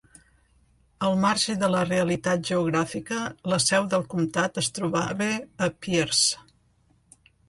Al marge de la realitat geogràfica, la seu del comtat es trobava a Pierce.